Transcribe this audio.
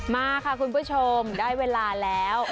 มาค่ะคุณผู้ชมได้เวลาแล้ว